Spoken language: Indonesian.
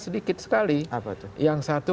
sedikit sekali yang satu